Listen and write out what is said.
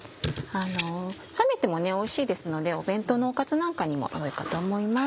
冷めてもおいしいですのでお弁当のおかずなんかにもよいかと思います。